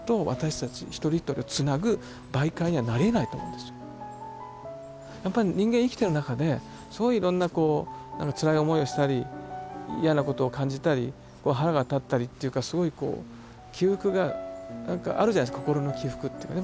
ですからそのやっぱり人間生きてる中ですごいいろんなこうつらい思いをしたり嫌なことを感じたりこう腹が立ったりっていうかすごいこう起伏があるじゃないすか心の起伏っていうかね。